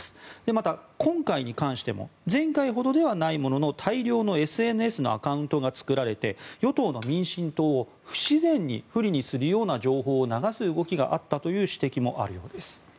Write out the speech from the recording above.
また、今回に関しても前回ほどではないものの大量のＳＮＳのアカウントが作られて与党・民進党を不自然に不利にするような情報を流す動きがあったという指摘もあるようです。